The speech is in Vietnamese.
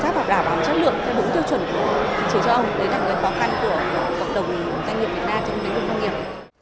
đấy là cái khó khăn của cộng đồng doanh nghiệp việt nam trong lĩnh vực công nghiệp